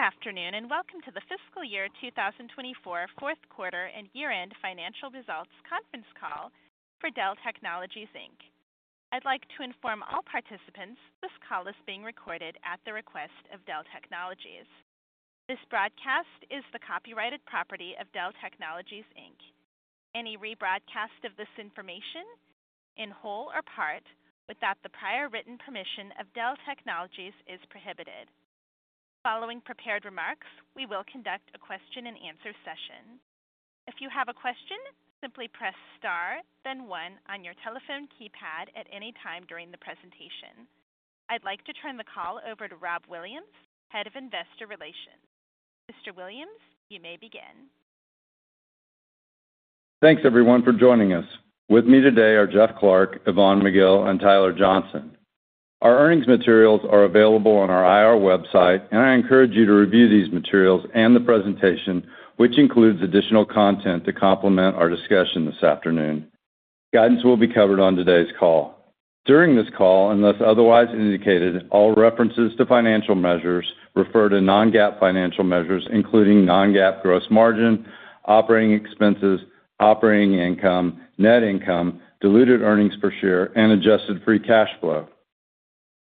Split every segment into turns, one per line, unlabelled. Good afternoon and welcome to the Fiscal Year 2024 Fourth Quarter and Year-End Financial Results Conference Call for Dell Technologies, Inc. I'd like to inform all participants this call is being recorded at the request of Dell Technologies. This broadcast is the copyrighted property of Dell Technologies, Inc. Any rebroadcast of this information, in whole or part, without the prior written permission of Dell Technologies is prohibited. Following prepared remarks, we will conduct a question-and-answer session. If you have a question, simply press * then 1 on your telephone keypad at any time during the presentation. I'd like to turn the call over to Rob Williams, head of investor relations. Mr. Williams, you may begin.
Thanks everyone for joining us. With me today are Jeff Clarke, Yvonne McGill, and Tyler Johnson. Our earnings materials are available on our IR website, and I encourage you to review these materials and the presentation, which includes additional content to complement our discussion this afternoon. Guidance will be covered on today's call. During this call, unless otherwise indicated, all references to financial measures refer to non-GAAP financial measures, including non-GAAP gross margin, operating expenses, operating income, net income, diluted earnings per share, and adjusted free cash flow.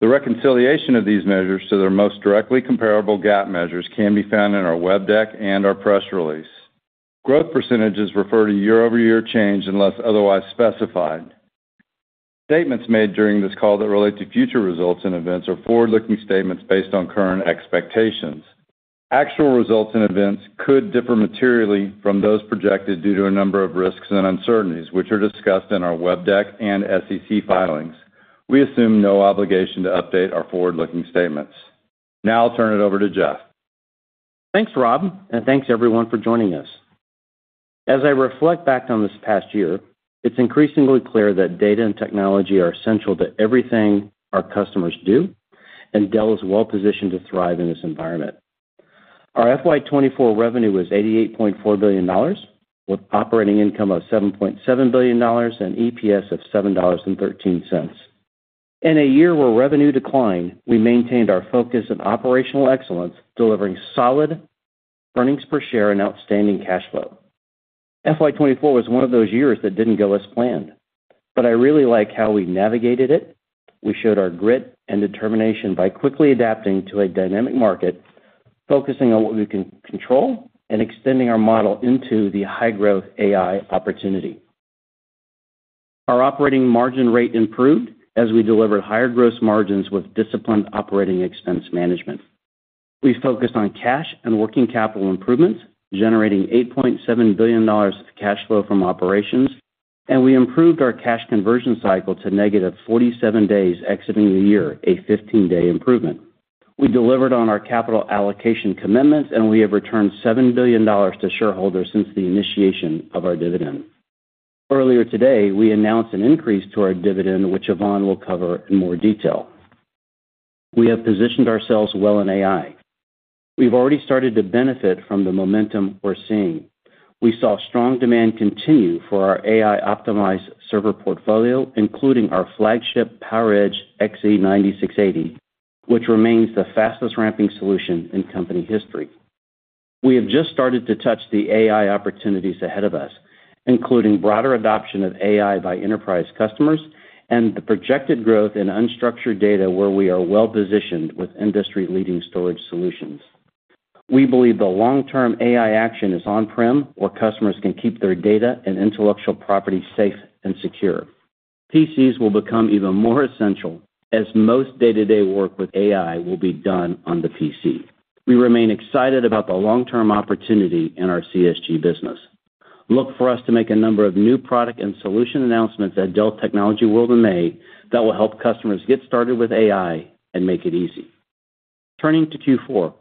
The reconciliation of these measures to their most directly comparable GAAP measures can be found in our web deck and our press release. Growth percentages refer to year-over-year change unless otherwise specified. Statements made during this call that relate to future results and events are forward-looking statements based on current expectations. Actual results and events could differ materially from those projected due to a number of risks and uncertainties, which are discussed in our web deck and SEC filings. We assume no obligation to update our forward-looking statements. Now I'll turn it over to Jeff.
Thanks, Rob, and thanks everyone for joining us. As I reflect back on this past year, it's increasingly clear that data and technology are essential to everything our customers do, and Dell is well positioned to thrive in this environment. Our FY24 revenue was $88.4 billion, with operating income of $7.7 billion and EPS of $7.13. In a year where revenue declined, we maintained our focus on operational excellence, delivering solid earnings per share and outstanding cash flow. FY24 was one of those years that didn't go as planned, but I really like how we navigated it. We showed our grit and determination by quickly adapting to a dynamic market, focusing on what we can control, and extending our model into the high-growth AI opportunity. Our operating margin rate improved as we delivered higher gross margins with disciplined operating expense management. We focused on cash and working capital improvements, generating $8.7 billion of cash flow from operations, and we improved our cash conversion cycle to negative 47 days exiting the year, a 15-day improvement. We delivered on our capital allocation commitments, and we have returned $7 billion to shareholders since the initiation of our dividend. Earlier today, we announced an increase to our dividend, which Yvonne will cover in more detail. We have positioned ourselves well in AI. We've already started to benefit from the momentum we're seeing. We saw strong demand continue for our AI-optimized server portfolio, including our flagship PowerEdge XE9680, which remains the fastest ramping solution in company history. We have just started to touch the AI opportunities ahead of us, including broader adoption of AI by enterprise customers and the projected growth in unstructured data where we are well positioned with industry-leading storage solutions. We believe the long-term AI action is on-prem, where customers can keep their data and intellectual property safe and secure. PCs will become even more essential as most day-to-day work with AI will be done on the PC. We remain excited about the long-term opportunity in our CSG business. Look for us to make a number of new product and solution announcements at Dell Technologies World in May that will help customers get started with AI and make it easy. Turning to Q4,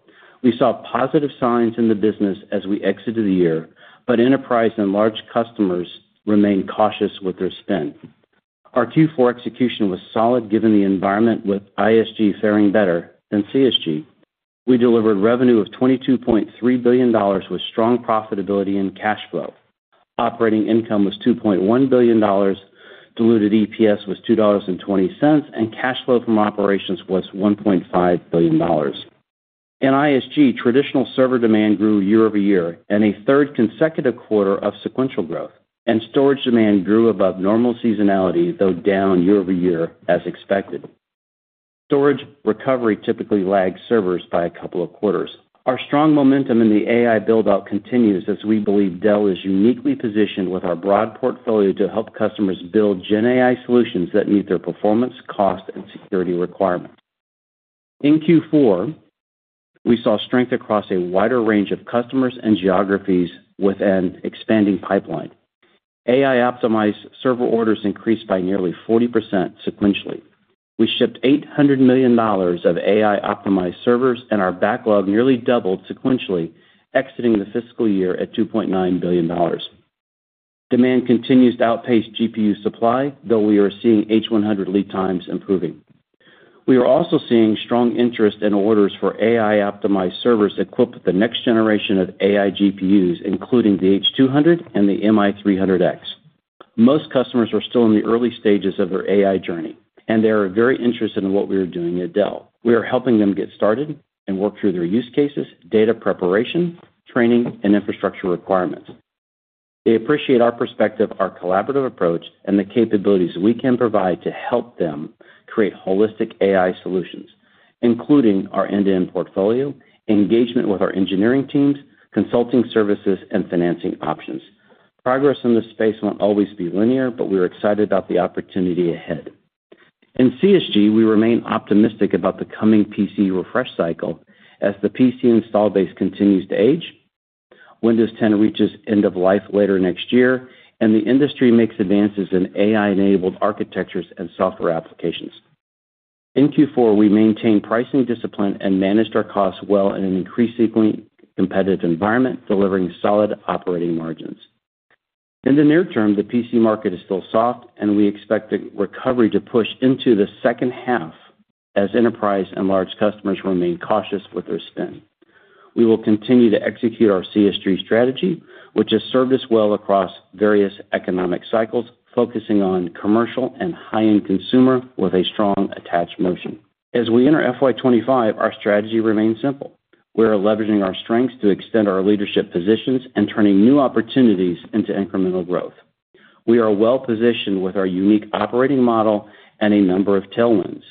we saw positive signs in the business as we exited the year, but enterprise and large customers remained cautious with their spend. Our Q4 execution was solid given the environment with ISG faring better than CSG. We delivered revenue of $22.3 billion with strong profitability and cash flow. Operating income was $2.1 billion, diluted EPS was $2.20, and cash flow from operations was $1.5 billion. In ISG, traditional server demand grew year over year in a third consecutive quarter of sequential growth, and storage demand grew above normal seasonality, though down year over year as expected. Storage recovery typically lags servers by a couple of quarters. Our strong momentum in the AI buildout continues as we believe Dell is uniquely positioned with our broad portfolio to help customers build GenAI solutions that meet their performance, cost, and security requirements. In Q4, we saw strength across a wider range of customers and geographies with an expanding pipeline. AI-optimized server orders increased by nearly 40% sequentially. We shipped $800 million of AI-optimized servers, and our backlog nearly doubled sequentially, exiting the fiscal year at $2.9 billion. Demand continues to outpace GPU supply, though we are seeing H100 lead times improving. We are also seeing strong interest in orders for AI-optimized servers equipped with the next generation of AI GPUs, including the H200 and the MI300X. Most customers are still in the early stages of their AI journey, and they are very interested in what we are doing at Dell. We are helping them get started and work through their use cases, data preparation, training, and infrastructure requirements. They appreciate our perspective, our collaborative approach, and the capabilities we can provide to help them create holistic AI solutions, including our end-to-end portfolio, engagement with our engineering teams, consulting services, and financing options. Progress in this space won't always be linear, but we are excited about the opportunity ahead. In CSG, we remain optimistic about the coming PC refresh cycle as the PC install base continues to age, Windows 10 reaches end-of-life later next year, and the industry makes advances in AI-enabled architectures and software applications. In Q4, we maintain pricing discipline and manage our costs well in an increasingly competitive environment, delivering solid operating margins. In the near term, the PC market is still soft, and we expect recovery to push into the second half as enterprise and large customers remain cautious with their spend. We will continue to execute our CSG strategy, which has served us well across various economic cycles, focusing on commercial and high-end consumer with a strong attached motion. As we enter FY 2025, our strategy remains simple. We are leveraging our strengths to extend our leadership positions and turning new opportunities into incremental growth. We are well positioned with our unique operating model and a number of tailwinds.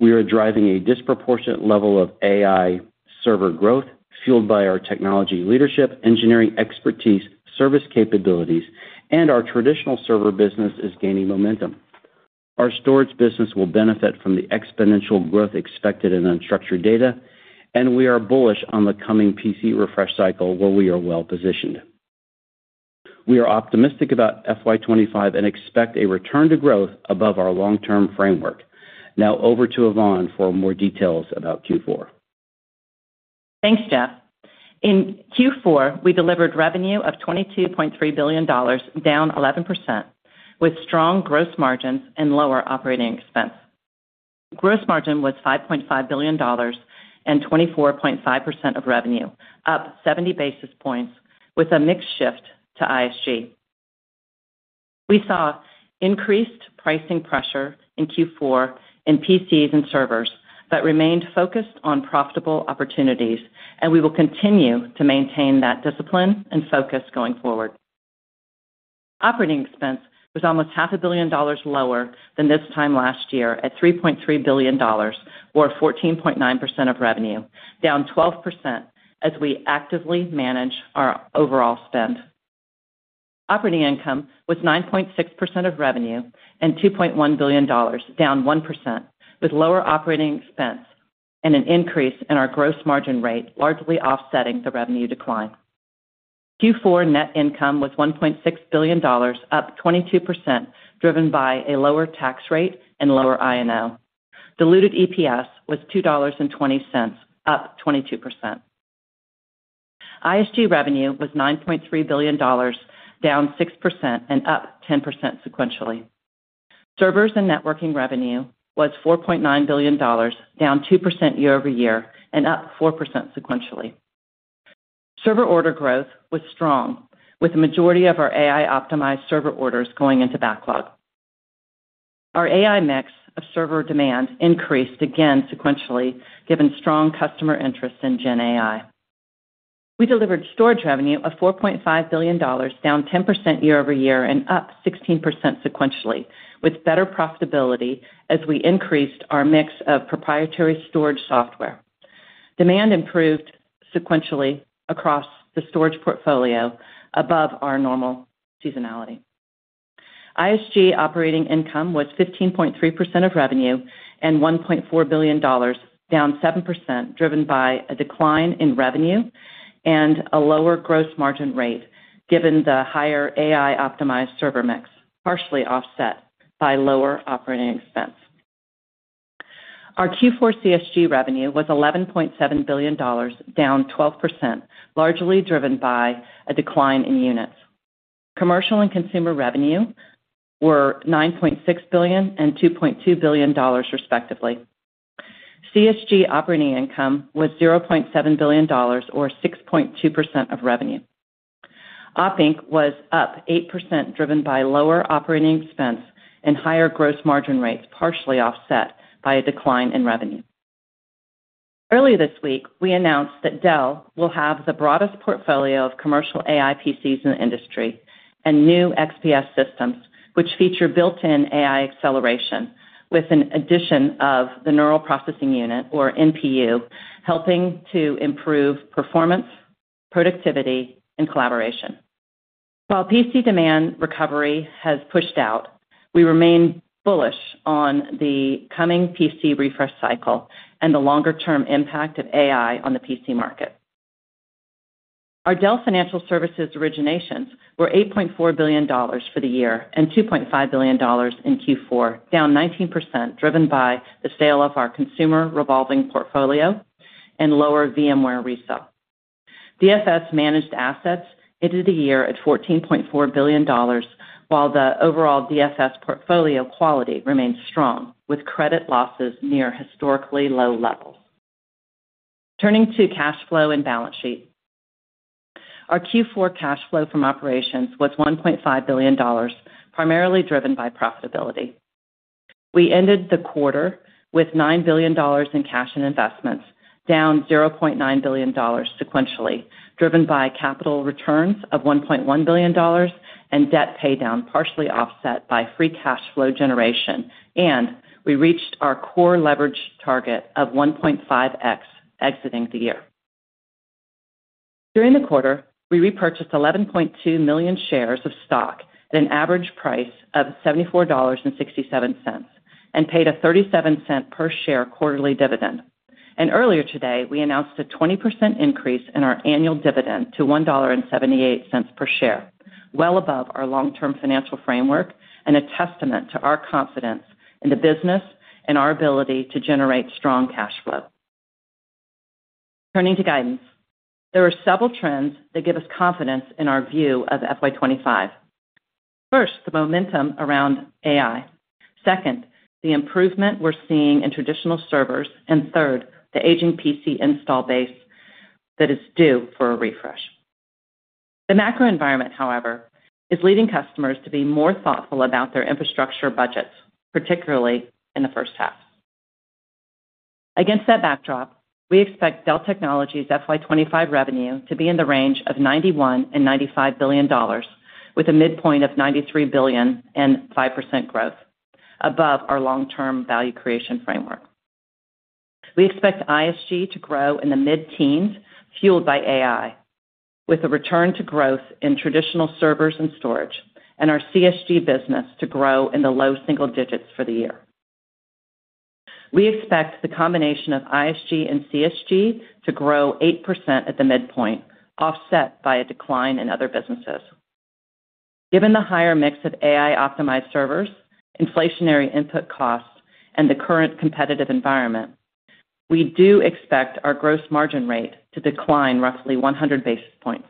We are driving a disproportionate level of AI server growth fueled by our technology leadership, engineering expertise, service capabilities, and our traditional server business is gaining momentum. Our storage business will benefit from the exponential growth expected in unstructured data, and we are bullish on the coming PC refresh cycle where we are well positioned. We are optimistic about FY25 and expect a return to growth above our long-term framework. Now over to Yvonne for more details about Q4.
Thanks, Jeff. In Q4, we delivered revenue of $22.3 billion, down 11%, with strong gross margins and lower operating expense. Gross margin was $5.5 billion and 24.5% of revenue, up 70 basis points, with a mixed shift to ISG. We saw increased pricing pressure in Q4 in PCs and servers but remained focused on profitable opportunities, and we will continue to maintain that discipline and focus going forward. Operating expense was almost $500 million lower than this time last year at $3.3 billion, or 14.9% of revenue, down 12% as we actively manage our overall spend. Operating income was 9.6% of revenue and $2.1 billion, down 1%, with lower operating expense and an increase in our gross margin rate largely offsetting the revenue decline. Q4 net income was $1.6 billion, up 22%, driven by a lower tax rate and lower I&O. Diluted EPS was $2.20, up 22%. ISG revenue was $9.3 billion, down 6% and up 10% sequentially. Servers and networking revenue was $4.9 billion, down 2% year-over-year and up 4% sequentially. Server order growth was strong, with the majority of our AI-optimized server orders going into backlog. Our AI mix of server demand increased again sequentially given strong customer interest in GenAI. We delivered storage revenue of $4.5 billion, down 10% year-over-year and up 16% sequentially, with better profitability as we increased our mix of proprietary storage software. Demand improved sequentially across the storage portfolio above our normal seasonality. ISG operating income was 15.3% of revenue and $1.4 billion, down 7%, driven by a decline in revenue and a lower gross margin rate given the higher AI-optimized server mix, partially offset by lower operating expense. Our Q4 CSG revenue was $11.7 billion, down 12%, largely driven by a decline in units. Commercial and consumer revenue were $9.6 billion and $2.2 billion, respectively. CSG operating income was $0.7 billion, or 6.2% of revenue. Operating income was up 8%, driven by lower operating expense and higher gross margin rates, partially offset by a decline in revenue. Earlier this week, we announced that Dell will have the broadest portfolio of commercial AI PCs in the industry and new XPS systems, which feature built-in AI acceleration with an addition of the neural processing unit, or NPU, helping to improve performance, productivity, and collaboration. While PC demand recovery has pushed out, we remain bullish on the coming PC refresh cycle and the longer-term impact of AI on the PC market. Our Dell Financial Services originations were $8.4 billion for the year and $2.5 billion in Q4, down 19%, driven by the sale of our consumer revolving portfolio and lower VMware resale. DFS managed assets ended the year at $14.4 billion, while the overall DFS portfolio quality remained strong, with credit losses near historically low levels. Turning to cash flow and balance sheet, our Q4 cash flow from operations was $1.5 billion, primarily driven by profitability. We ended the quarter with $9 billion in cash and investments, down $0.9 billion sequentially, driven by capital returns of $1.1 billion and debt paydown, partially offset by free cash flow generation. And we reached our core leverage target of 1.5x exiting the year. During the quarter, we repurchased 11.2 million shares of stock at an average price of $74.67 and paid a $0.37 per share quarterly dividend. Earlier today, we announced a 20% increase in our annual dividend to $1.78 per share, well above our long-term financial framework and a testament to our confidence in the business and our ability to generate strong cash flow. Turning to guidance, there are several trends that give us confidence in our view of FY25. First, the momentum around AI. Second, the improvement we're seeing in traditional servers. And third, the aging PC install base that is due for a refresh. The macro environment, however, is leading customers to be more thoughtful about their infrastructure budgets, particularly in the first half. Against that backdrop, we expect Dell Technologies FY25 revenue to be in the range of $91 billion-$95 billion, with a midpoint of $93 billion and 5% growth, above our long-term value creation framework. We expect ISG to grow in the mid-teens fueled by AI, with a return to growth in traditional servers and storage, and our CSG business to grow in the low single digits for the year. We expect the combination of ISG and CSG to grow 8% at the midpoint, offset by a decline in other businesses. Given the higher mix of AI-optimized servers, inflationary input costs, and the current competitive environment, we do expect our gross margin rate to decline roughly 100 basis points.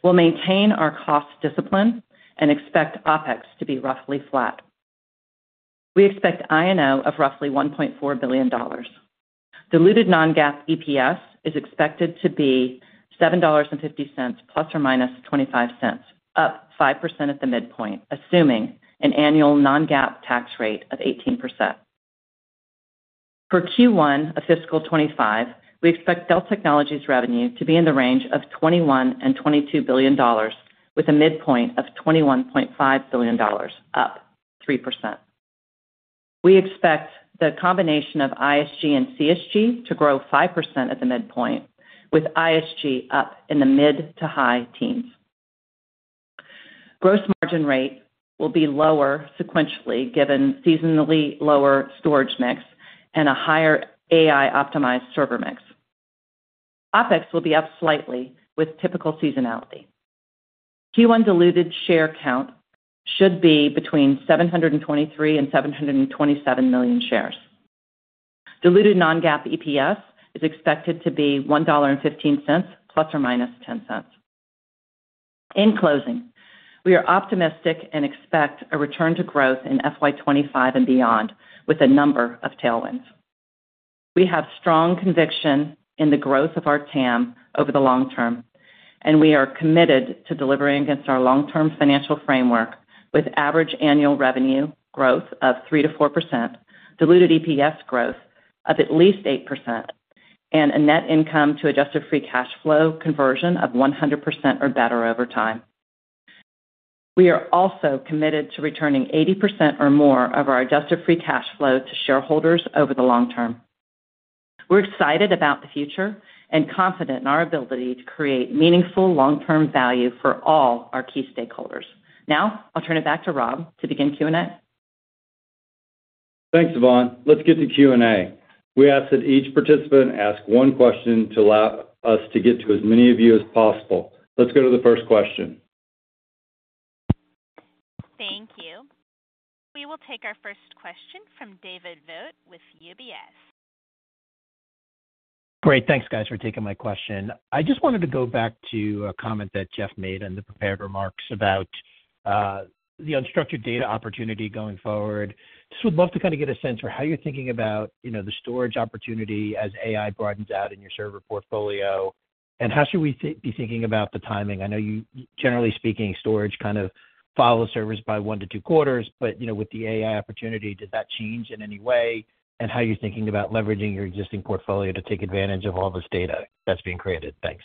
We'll maintain our cost discipline and expect OpEx to be roughly flat. We expect INO of roughly $1.4 billion. Diluted non-GAAP EPS is expected to be $7.50 ± $0.25, up 5% at the midpoint, assuming an annual non-GAAP tax rate of 18%. For Q1 of fiscal 2025, we expect Dell Technologies revenue to be in the range of $21-$22 billion, with a midpoint of $21.5 billion, up 3%. We expect the combination of ISG and CSG to grow 5% at the midpoint, with ISG up in the mid to high teens. Gross margin rate will be lower sequentially given seasonally lower storage mix and a higher AI-optimized server mix. OpEx will be up slightly with typical seasonality. Q1 diluted share count should be between 723 and 727 million shares. Diluted non-GAAP EPS is expected to be $1.15 ± $0.10. In closing, we are optimistic and expect a return to growth in FY 2025 and beyond, with a number of tailwinds. We have strong conviction in the growth of our TAM over the long term, and we are committed to delivering against our long-term financial framework with average annual revenue growth of 3%-4%, diluted EPS growth of at least 8%, and a net income to adjusted free cash flow conversion of 100% or better over time. We are also committed to returning 80% or more of our adjusted free cash flow to shareholders over the long term. We're excited about the future and confident in our ability to create meaningful long-term value for all our key stakeholders. Now I'll turn it back to Rob to begin Q&A.
Thanks, Yvonne. Let's get to Q&A. We ask that each participant ask one question to allow us to get to as many of you as possible. Let's go to the first question.
Thank you. We will take our first question from David Vogt with UBS.
Great. Thanks, guys, for taking my question. I just wanted to go back to a comment that Jeff made in the prepared remarks about the unstructured data opportunity going forward. Just would love to kind of get a sense for how you're thinking about the storage opportunity as AI broadens out in your server portfolio, and how should we be thinking about the timing? I know you, generally speaking, storage kind of follows servers by one-two quarters, but with the AI opportunity, does that change in any way? And how are you thinking about leveraging your existing portfolio to take advantage of all this data that's being created? Thanks.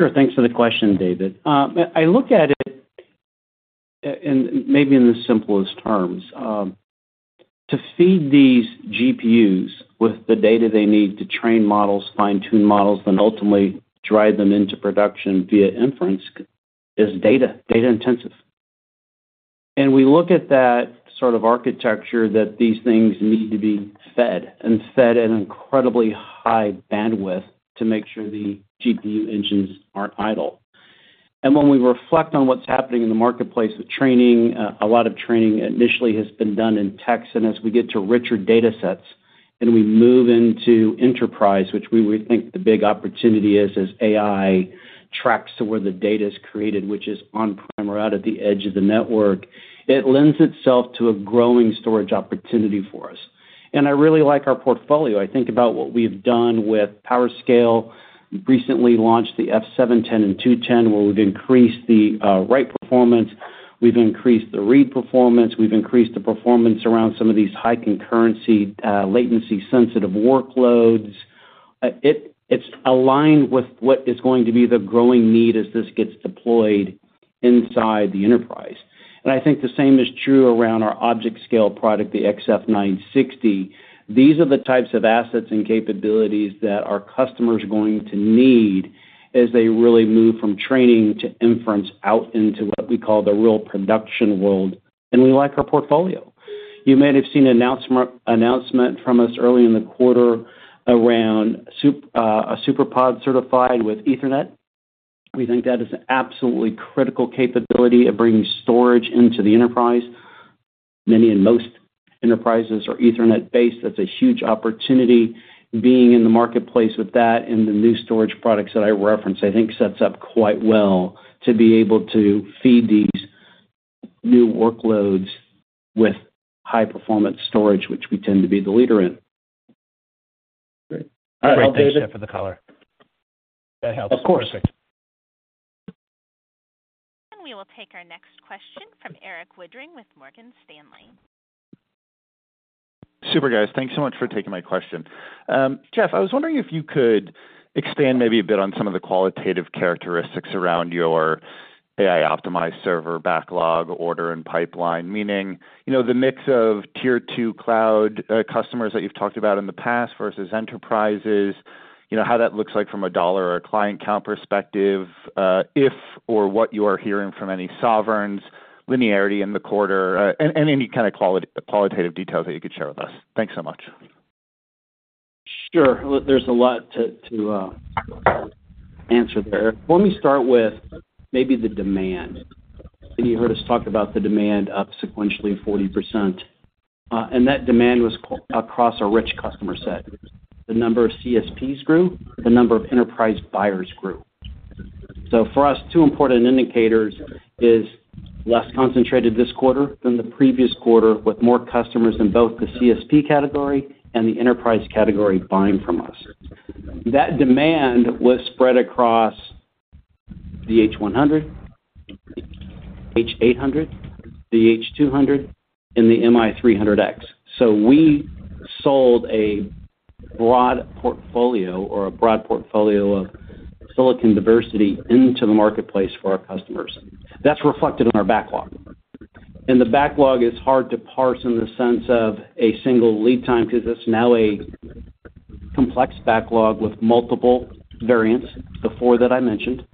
Sure. Thanks for the question, David. I look at it maybe in the simplest terms. To feed these GPUs with the data they need to train models, fine-tune models, then ultimately drive them into production via inference is data-intensive. And we look at that sort of architecture that these things need to be fed and fed at an incredibly high bandwidth to make sure the GPU engines aren't idle. And when we reflect on what's happening in the marketplace with training, a lot of training initially has been done in tech. And as we get to richer datasets and we move into enterprise, which we think the big opportunity is as AI tracks to where the data is created, which is on-prem or out at the edge of the network, it lends itself to a growing storage opportunity for us. And I really like our portfolio. I think about what we have done with PowerScale. We recently launched the F710 and F210 where we've increased the write performance. We've increased the read performance. We've increased the performance around some of these high concurrency, latency-sensitive workloads. It's aligned with what is going to be the growing need as this gets deployed inside the enterprise. And I think the same is true around our ObjectScale product, the XF960. These are the types of assets and capabilities that our customers are going to need as they really move from training to inference out into what we call the real production world. And we like our portfolio. You may have seen an announcement from us early in the quarter around a SuperPod certified with Ethernet. We think that is an absolutely critical capability of bringing storage into the enterprise. Many and most enterprises are Ethernet-based. That's a huge opportunity being in the marketplace with that and the new storage products that I referenced. I think sets up quite well to be able to feed these new workloads with high-performance storage, which we tend to be the leader in.
Great. All right. Thanks, Jeff, for the caller. That helps. Perfect.
Of course.
We will take our next question from Erik Woodring with Morgan Stanley.
Super, guys. Thanks so much for taking my question. Jeff, I was wondering if you could expand maybe a bit on some of the qualitative characteristics around your AI-optimized server backlog order and pipeline, meaning the mix of tier-two cloud customers that you've talked about in the past versus enterprises, how that looks like from a dollar or a client count perspective, if or what you are hearing from any sovereigns, linearity in the quarter, and any kind of qualitative details that you could share with us. Thanks so much.
Sure. There's a lot to answer there. Let me start with maybe the demand. You heard us talk about the demand up sequentially 40%. That demand was across a rich customer set. The number of CSPs grew. The number of enterprise buyers grew. For us, two important indicators is less concentrated this quarter than the previous quarter with more customers in both the CSP category and the enterprise category buying from us. That demand was spread across the H100, H800, the H200, and the MI300X. We sold a broad portfolio or a broad portfolio of silicon diversity into the marketplace for our customers. That's reflected in our backlog. The backlog is hard to parse in the sense of a single lead time because it's now a complex backlog with multiple variants, the four that I mentioned,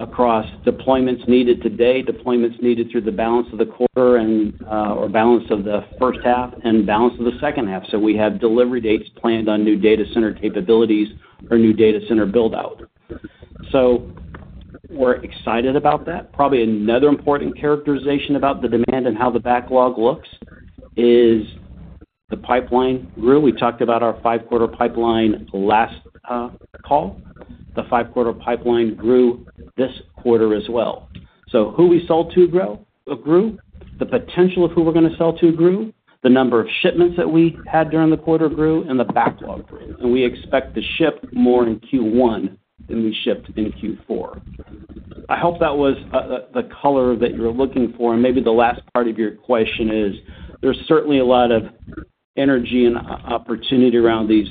across deployments needed today, deployments needed through the balance of the quarter or balance of the first half, and balance of the second half. We have delivery dates planned on new data center capabilities or new data center buildout. We're excited about that. Probably another important characterization about the demand and how the backlog looks is the pipeline grew. We talked about our five-quarter pipeline last call. The five-quarter pipeline grew this quarter as well. Who we sold to grew. The potential of who we're going to sell to grew. The number of shipments that we had during the quarter grew. The backlog grew. We expect to ship more in Q1 than we shipped in Q4. I hope that was the color that you're looking for. Maybe the last part of your question is there's certainly a lot of energy and opportunity around these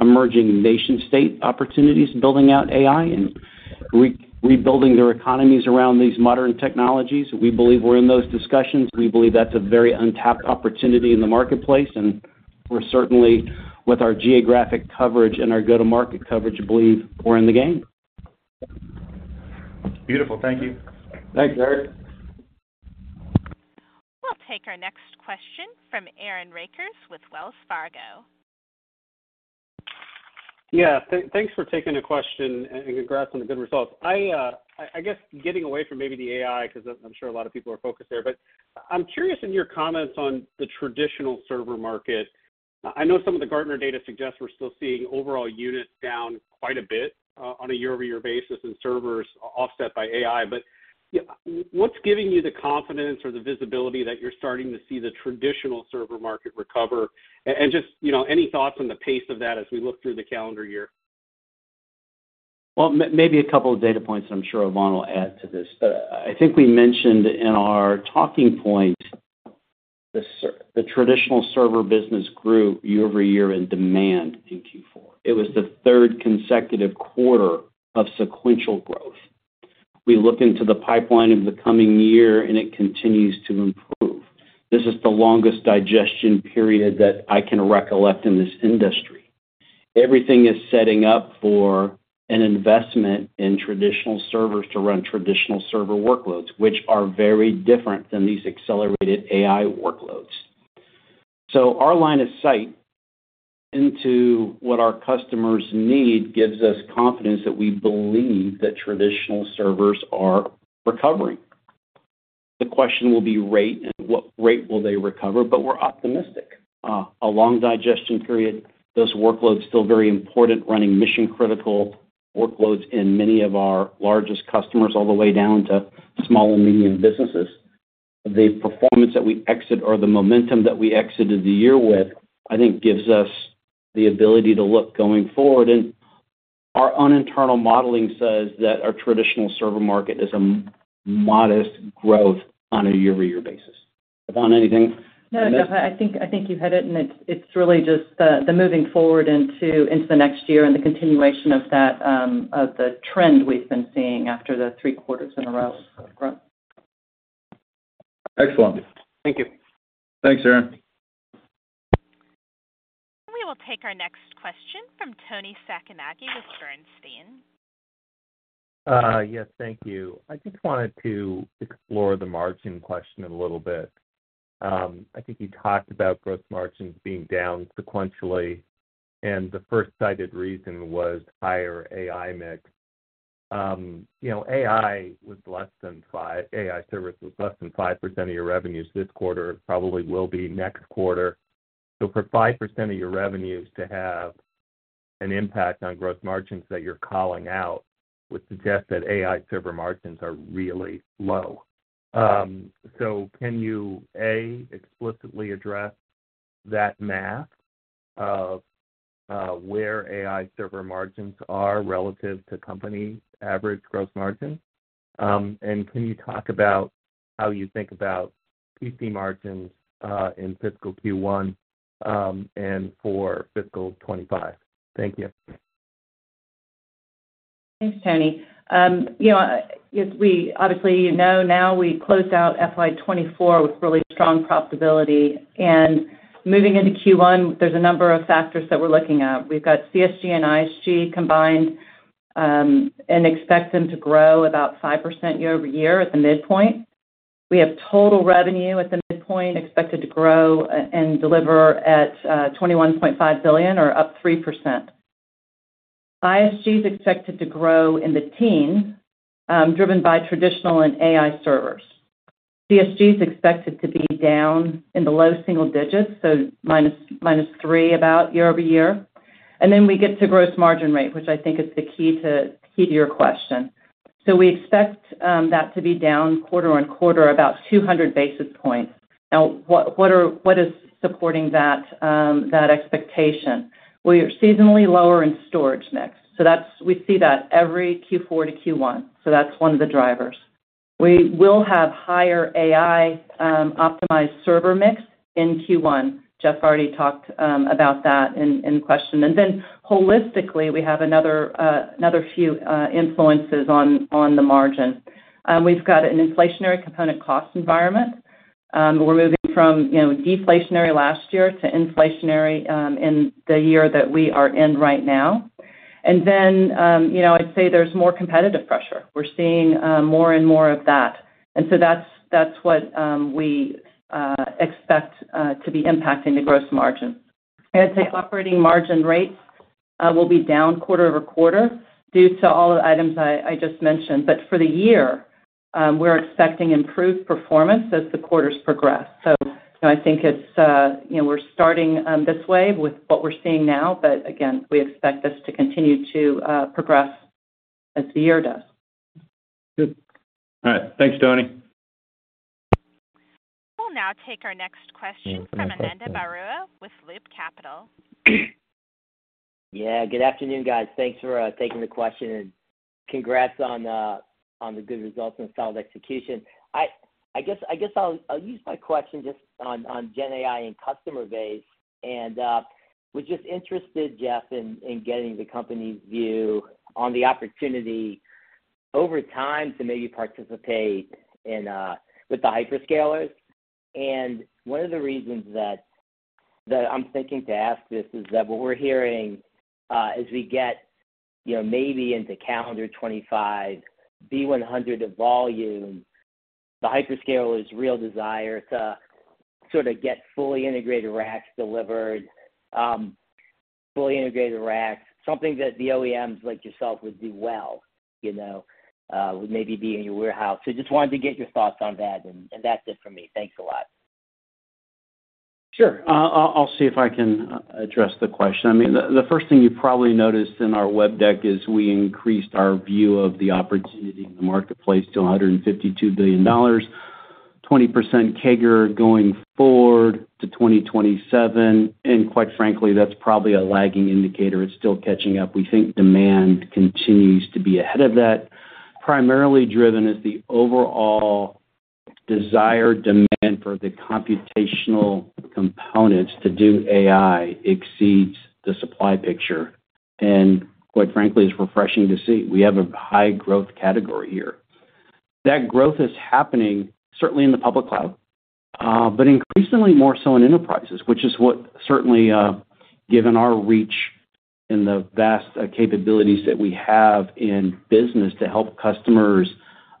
emerging nation-state opportunities building out AI and rebuilding their economies around these modern technologies. We believe we're in those discussions. We believe that's a very untapped opportunity in the marketplace. We're certainly, with our geographic coverage and our go-to-market coverage, believe we're in the game.
Beautiful. Thank you.
Thanks, Eric.
We'll take our next question from Aaron Rakers with Wells Fargo.
Yeah. Thanks for taking the question and congrats on the good results. I guess getting away from maybe the AI because I'm sure a lot of people are focused there, but I'm curious in your comments on the traditional server market. I know some of the Gartner data suggests we're still seeing overall units down quite a bit on a year-over-year basis in servers offset by AI. But what's giving you the confidence or the visibility that you're starting to see the traditional server market recover? And just any thoughts on the pace of that as we look through the calendar year?
Well, maybe a couple of data points that I'm sure Yvonne will add to this. But I think we mentioned in our talking points, the traditional server business grew year over year in demand in Q4. It was the third consecutive quarter of sequential growth. We look into the pipeline of the coming year, and it continues to improve. This is the longest digestion period that I can recollect in this industry. Everything is setting up for an investment in traditional servers to run traditional server workloads, which are very different than these accelerated AI workloads. So our line of sight into what our customers need gives us confidence that we believe that traditional servers are recovering. The question will be rate, and what rate will they recover? But we're optimistic. A long digestion period. Those workloads still very important, running mission-critical workloads in many of our largest customers all the way down to small and medium businesses. The performance that we exit or the momentum that we exited the year with, I think, gives us the ability to look going forward. Our own internal modeling says that our traditional server market is a modest growth on a year-over-year basis. Yvonne, anything?
No, Jeff. I think you hit it. It's really just the moving forward into the next year and the continuation of the trend we've been seeing after the three quarters in a row of growth.
Excellent.
Thank you. Thanks, Eric.
We will take our next question from Toni Sacconaghi with Bernstein.
Yes. Thank you. I just wanted to explore the margin question a little bit. I think you talked about gross margins being down sequentially. And the first cited reason was higher AI mix. AI servers was less than 5% of your revenues this quarter. It probably will be next quarter. So for 5% of your revenues to have an impact on gross margins that you're calling out would suggest that AI server margins are really low. So can you, A, explicitly address that math of where AI server margins are relative to company average gross margins? And can you talk about how you think about PC margins in fiscal Q1 and for fiscal 2025? Thank you.
Thanks, Toni. As we obviously know now, we closed out FY 2024 with really strong profitability. Moving into Q1, there's a number of factors that we're looking at. We've got CSG and ISG combined and expect them to grow about 5% year-over-year at the midpoint. We have total revenue at the midpoint expected to grow and deliver at $21.5 billion or up 3%. ISG is expected to grow in the teens driven by traditional and AI servers. CSG is expected to be down in the low single digits, so -3% about year-over-year. Then we get to gross margin rate, which I think is the key to your question. We expect that to be down quarter-over-quarter about 200 basis points. Now, what is supporting that expectation? We are seasonally lower in storage mix. We see that every Q4 to Q1. So that's one of the drivers. We will have higher AI-optimized server mix in Q1. Jeff already talked about that in question. And then holistically, we have another few influences on the margin. We've got an inflationary component cost environment. We're moving from deflationary last year to inflationary in the year that we are in right now. And then I'd say there's more competitive pressure. We're seeing more and more of that. And so that's what we expect to be impacting the gross margins. And I'd say operating margin rates will be down quarter-over-quarter due to all the items I just mentioned. But for the year, we're expecting improved performance as the quarters progress. So I think we're starting this way with what we're seeing now. But again, we expect this to continue to progress as the year does.
Good.
All right. Thanks, Toni.
We'll now take our next question from Ananda Baruah with Loop Capital.
Yeah. Good afternoon, guys. Thanks for taking the question. Congrats on the good results and solid execution. I guess I'll use my question just on GenAI and customer base. We're just interested, Jeff, in getting the company's view on the opportunity over time to maybe participate with the hyperscalers. One of the reasons that I'm thinking to ask this is that what we're hearing as we get maybe into calendar 2025, B100 of volume, the hyperscaler's real desire to sort of get fully integrated racks delivered, fully integrated racks, something that the OEMs like yourself would do well, would maybe be in your warehouse. Just wanted to get your thoughts on that. That's it from me. Thanks a lot.
Sure. I'll see if I can address the question. I mean, the first thing you probably noticed in our web deck is we increased our view of the opportunity in the marketplace to $152 billion, 20% CAGR going forward to 2027. Quite frankly, that's probably a lagging indicator. It's still catching up. We think demand continues to be ahead of that. Primarily driven is the overall desired demand for the computational components to do AI exceeds the supply picture. Quite frankly, it's refreshing to see. We have a high growth category here. That growth is happening certainly in the public cloud, but increasingly more so in enterprises, which is what certainly, given our reach and the vast capabilities that we have in business to help customers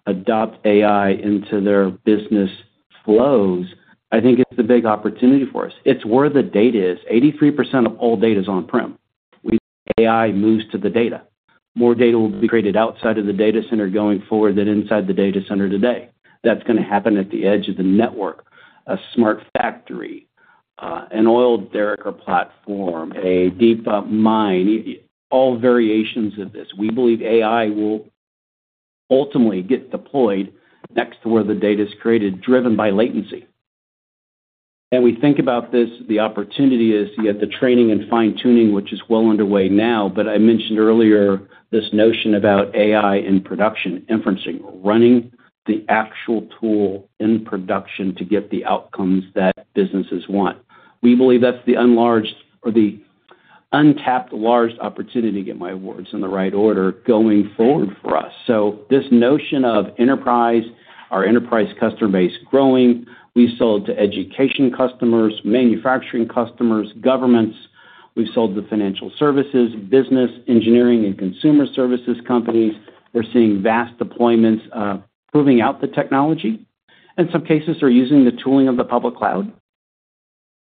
adopt AI into their business flows, I think it's the big opportunity for us. It's where the data is. 83% of all data is on-prem. AI moves to the data. More data will be created outside of the data center going forward than inside the data center today. That's going to happen at the edge of the network, a smart factory, an oil derrick or platform, a deep mine, all variations of this. We believe AI will ultimately get deployed next to where the data is created, driven by latency. And we think about this, the opportunity is you have the training and fine-tuning, which is well underway now. But I mentioned earlier this notion about AI in production, inferencing, running the actual tool in production to get the outcomes that businesses want. We believe that's the untapped large opportunity, to get my words in the right order, going forward for us. So this notion of enterprise, our enterprise customer base growing. We sold to education customers, manufacturing customers, governments. We've sold to financial services, business, engineering, and consumer services companies. We're seeing vast deployments proving out the technology. In some cases, they're using the tooling of the public cloud.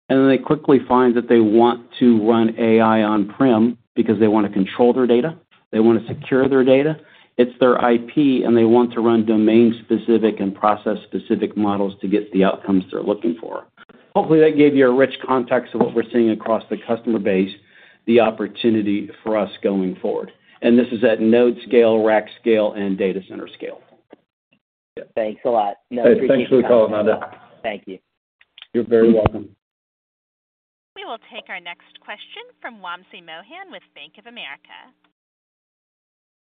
Then they quickly find that they want to run AI on-prem because they want to control their data. They want to secure their data. It's their IP, and they want to run domain-specific and process-specific models to get the outcomes they're looking for. Hopefully, that gave you a rich context of what we're seeing across the customer base, the opportunity for us going forward. This is at node scale, rack scale, and data center scale.
Thanks a lot. No, appreciate the call.
Thanks for the call, Ananda. Thank you. You're very welcome.
We will take our next question from Wamsi Mohan with Bank of America.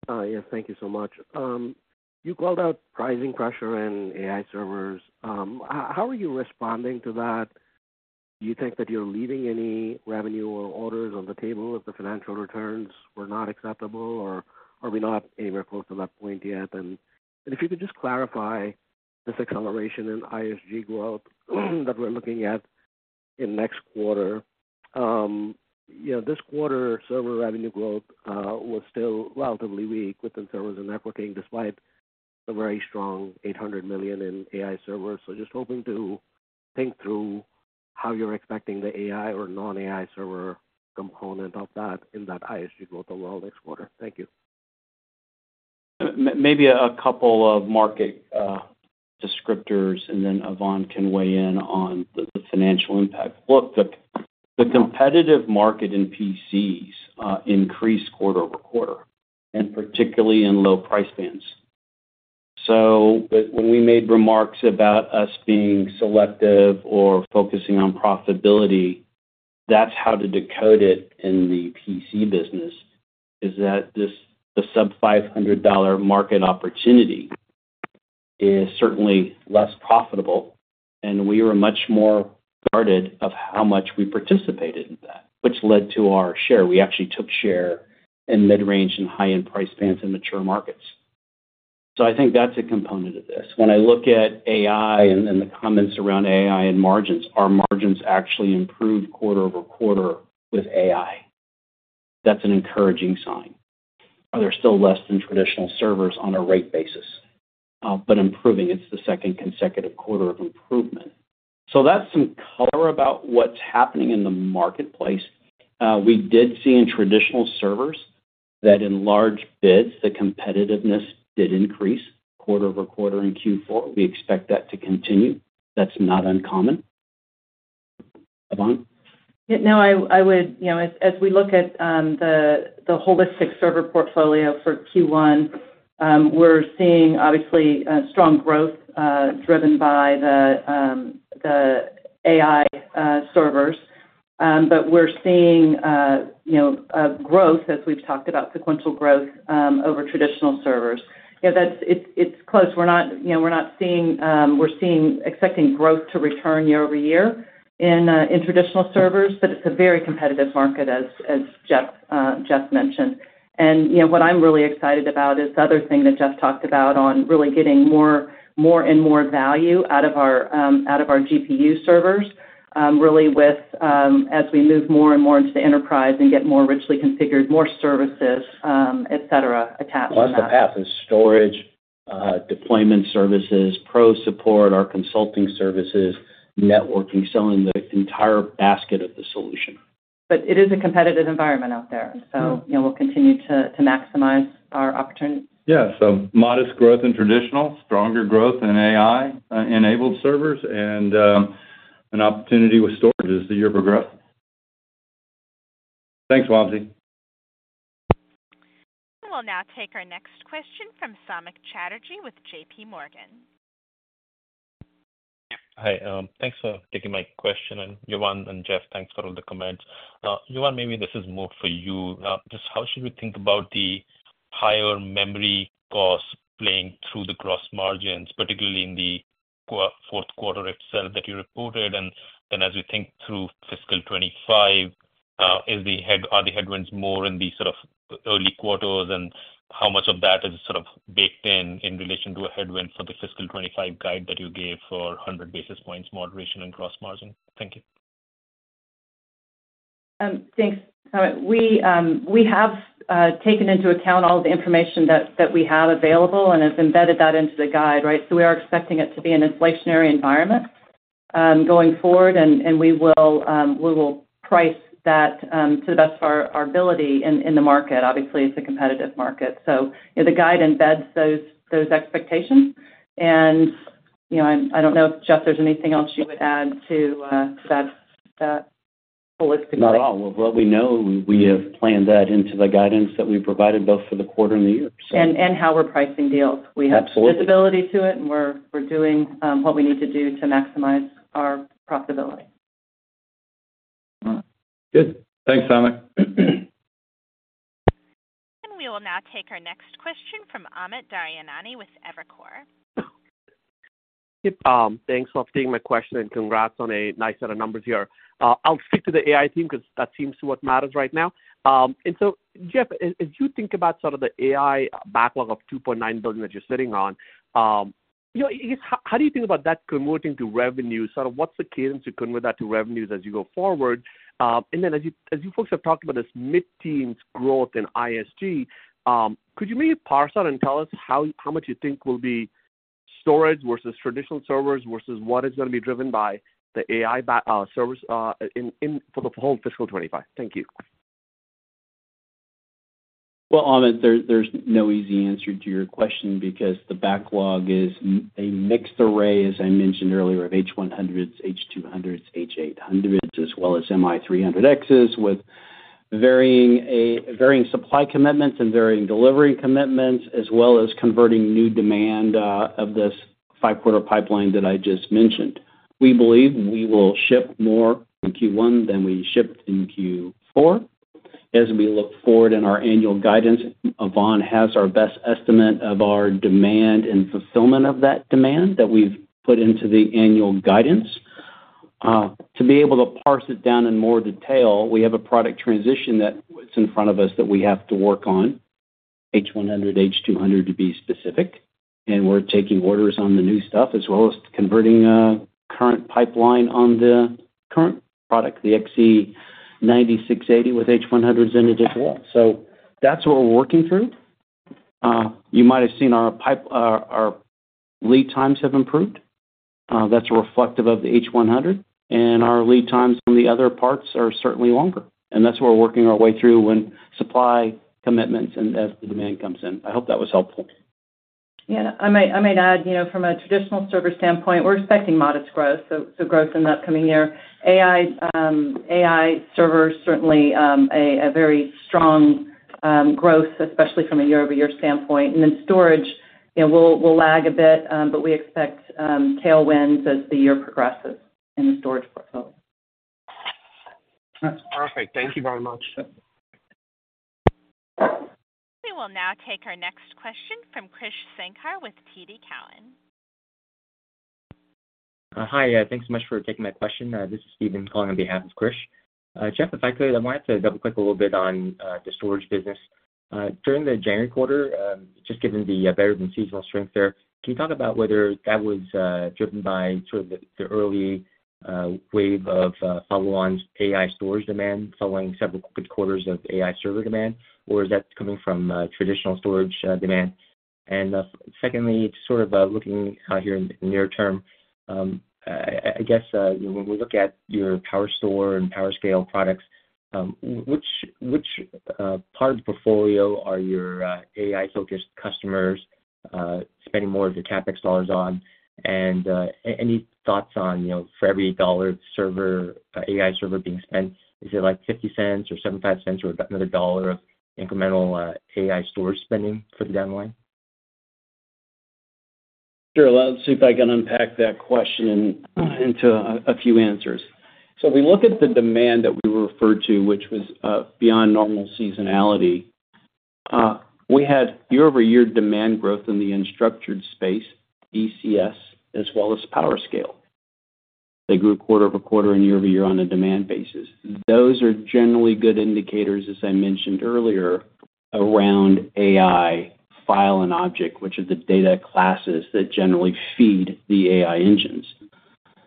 Yes. Thank you so much. You called out pricing pressure and AI servers. How are you responding to that? Do you think that you're leaving any revenue or orders on the table if the financial returns were not acceptable, or are we not anywhere close to that point yet? If you could just clarify this acceleration in ISG growth that we're looking at in next quarter. This quarter, server revenue growth was still relatively weak within servers and networking despite the very strong $800 million in AI servers. Just hoping to think through how you're expecting the AI or non-AI server component of that in that ISG growth overall next quarter. Thank you.
Maybe a couple of market descriptors, and then Yvonne can weigh in on the financial impact. Look, the competitive market in PCs increased quarter-over-quarter, and particularly in low price bands. When we made remarks about us being selective or focusing on profitability, that's how to decode it in the PC business, is that the sub-$500 market opportunity is certainly less profitable. We were much more guarded of how much we participated in that, which led to our share. We actually took share in mid-range and high-end price bands in mature markets. So I think that's a component of this. When I look at AI and the comments around AI and margins, our margins actually improved quarter-over-quarter with AI. That's an encouraging sign. Are there still less than traditional servers on a rate basis? But improving. It's the second consecutive quarter of improvement. So that's some color about what's happening in the marketplace. We did see in traditional servers that in large bids, the competitiveness did increase quarter over quarter in Q4. We expect that to continue. That's not uncommon. Yvonne?
No, I would, as we look at the holistic server portfolio for Q1, we're seeing, obviously, strong growth driven by the AI servers. But we're seeing growth, as we've talked about, sequential growth over traditional servers. It's close. We're not seeing. We're expecting growth to return year-over-year in traditional servers. But it's a very competitive market, as Jeff mentioned. And what I'm really excited about is the other thing that Jeff talked about on really getting more and more value out of our GPU servers, really as we move more and more into the enterprise and get more richly configured, more services, etc., attached to that.
Lots of paths: storage, deployment services, pro support, our consulting services, networking, selling the entire basket of the solution.
But it is a competitive environment out there. So we'll continue to maximize our opportunities.
Yeah. So modest growth in traditional, stronger growth in AI-enabled servers, and an opportunity with storage as the year progresses. Thanks, Wamsi.
We'll now take our next question from Samik Chatterjee with JPMorgan.
Hi. Thanks for taking my question. Yvonne and Jeff, thanks for all the comments. Yvonne, maybe this is more for you. Just how should we think about the higher memory cost playing through the gross margins, particularly in the fourth quarter itself that you reported? Then as we think through fiscal '25, are the headwinds more in the sort of early quarters? How much of that is sort of baked in in relation to a headwind for the fiscal '25 guide that you gave for 100 basis points moderation and gross margin? Thank you.
Thanks, Samik. We have taken into account all of the information that we have available and have embedded that into the guide, right? So we are expecting it to be an inflationary environment going forward. And we will price that to the best of our ability in the market. Obviously, it's a competitive market. So the guide embeds those expectations. And I don't know if, Jeff, there's anything else you would add to that holistic guide.
Not at all. Well, what we know, we have planned that into the guidance that we provided both for the quarter and the year, so.
How we're pricing deals. We have visibility to it, and we're doing what we need to do to maximize our profitability.
All right. Good. Thanks, Samik.
We will now take our next question from Amit Daryanani with Evercore.
Yep. Thanks for updating my question. And congrats on a nice set of numbers here. I'll stick to the AI theme because that seems to be what matters right now. And so, Jeff, as you think about sort of the AI backlog of $2.9 billion that you're sitting on, I guess how do you think about that converting to revenues? Sort of what's the cadence to convert that to revenues as you go forward? And then as you folks have talked about this mid-teens growth in ISG, could you maybe parse out and tell us how much you think will be storage versus traditional servers versus what is going to be driven by the AI servers for the whole fiscal 2025? Thank you.
Well, Amit, there's no easy answer to your question because the backlog is a mixed array, as I mentioned earlier, of H100s, H200s, H800s, as well as MI300Xs with varying supply commitments and varying delivery commitments, as well as converting new demand of this five-quarter pipeline that I just mentioned. We believe we will ship more in Q1 than we shipped in Q4. As we look forward in our annual guidance, Yvonne has our best estimate of our demand and fulfillment of that demand that we've put into the annual guidance. To be able to parse it down in more detail, we have a product transition that's in front of us that we have to work on, H100, H200 to be specific. We're taking orders on the new stuff as well as converting current pipeline on the current product, the XE9680, with H100s in it as well. That's what we're working through. You might have seen our lead times have improved. That's reflective of the H100. Our lead times on the other parts are certainly longer. That's what we're working our way through when supply commitments and as the demand comes in. I hope that was helpful.
Yeah. I might add, from a traditional server standpoint, we're expecting modest growth, so growth in the upcoming year. AI servers, certainly a very strong growth, especially from a year-over-year standpoint. And then storage, we'll lag a bit, but we expect tailwinds as the year progresses in the storage portfolio.
That's perfect. Thank you very much.
We will now take our next question from Krish Sankar with TD Cowen.
Hi. Thanks so much for taking my question. This is Steven calling on behalf of Krish. Jeff, if I could, I wanted to double-click a little bit on the storage business. During the January quarter, just given the better-than-seasonal strength there, can you talk about whether that was driven by sort of the early wave of follow-on AI storage demand following several good quarters of AI server demand, or is that coming from traditional storage demand? And secondly, sort of looking out here in the near term, I guess when we look at your PowerStore and PowerScale products, which part of the portfolio are your AI-focused customers spending more of your CapEx dollars on? And any thoughts on for every dollar AI server being spent, is it like 50 cents or 75 cents or another dollar of incremental AI storage spending for the down the line?
Sure. Let's see if I can unpack that question into a few answers. So if we look at the demand that we referred to, which was beyond normal seasonality, we had year-over-year demand growth in the unstructured space, ECS, as well as PowerScale. They grew quarter-over-quarter and year-over-year on a demand basis. Those are generally good indicators, as I mentioned earlier, around AI file and object, which are the data classes that generally feed the AI engines.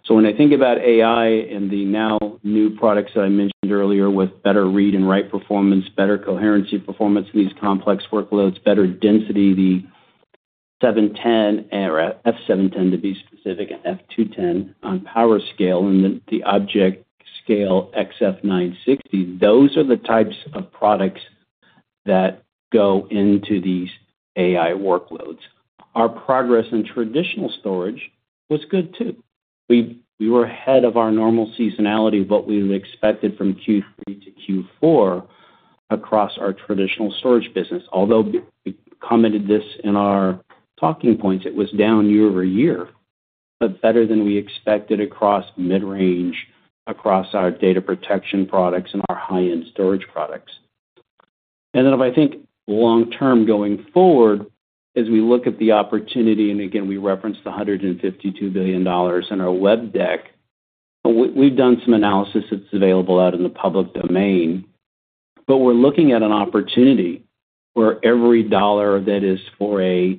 So when I think about AI and the now new products that I mentioned earlier with better read and write performance, better coherency performance in these complex workloads, better density, the F710 to be specific and F210 on PowerScale and the ObjectScale XF960, those are the types of products that go into these AI workloads. Our progress in traditional storage was good too. We were ahead of our normal seasonality of what we would expect from Q3 to Q4 across our traditional storage business. Although we commented this in our talking points, it was down year-over-year, but better than we expected across mid-range, across our data protection products, and our high-end storage products. Then if I think long-term going forward, as we look at the opportunity—and again, we referenced the $152 billion in our web deck—we've done some analysis. It's available out in the public domain. But we're looking at an opportunity where every dollar that is for a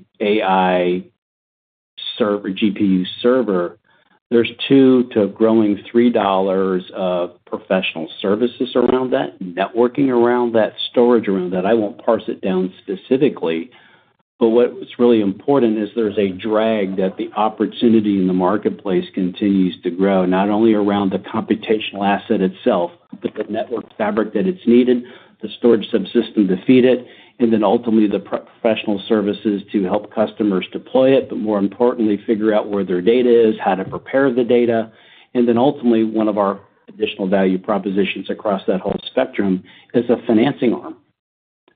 GPU server, there's $2-$3 of professional services around that, networking around that, storage around that. I won't parse it down specifically. What's really important is there's no drag; the opportunity in the marketplace continues to grow, not only around the computational asset itself but the network fabric that's needed, the storage subsystem to feed it, and then ultimately the professional services to help customers deploy it, but more importantly, figure out where their data is, how to prepare the data. Then ultimately, one of our additional value propositions across that whole spectrum is a financing arm.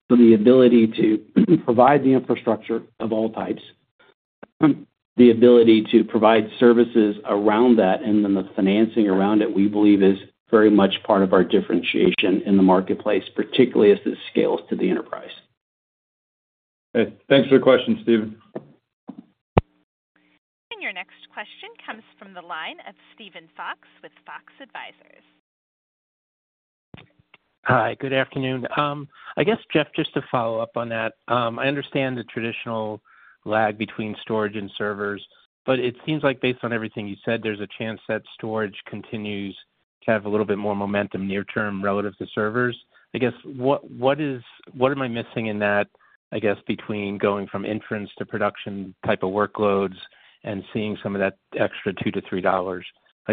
The ability to provide the infrastructure of all types, the ability to provide services around that, and then the financing around it, we believe, is very much part of our differentiation in the marketplace, particularly as it scales to the enterprise.
Okay. Thanks for the question, Stephen.
Your next question comes from the line of Steven Fox with Fox Advisors.
Hi. Good afternoon. I guess, Jeff, just to follow up on that, I understand the traditional lag between storage and servers. But it seems like, based on everything you said, there's a chance that storage continues to have a little bit more momentum near-term relative to servers. I guess, what am I missing in that, I guess, between going from inference to production type of workloads and seeing some of that extra $2-$3?